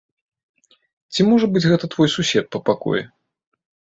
Ці можа гэта быць твой сусед па пакоі?